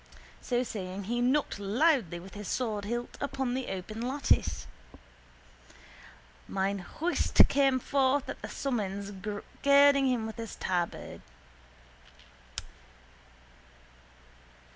So saying he knocked loudly with his swordhilt upon the open lattice. Mine host came forth at the summons, girding him with his tabard.